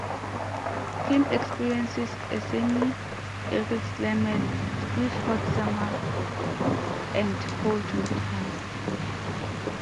Kim experiences a semi-arid climate with hot summers and cold winters.